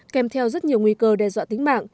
kèm theo rất nhiều nguy cơ đe dọa tính mạng